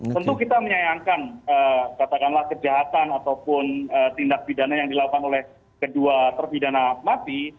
tentu kita menyayangkan katakanlah kejahatan ataupun tindak pidana yang dilakukan oleh kedua terpidana mati